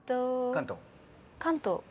関東。